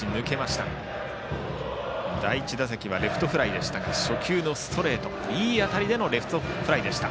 第１打席はレフトフライでしたが初球のストレートをいい当たりでのレフトフライでした。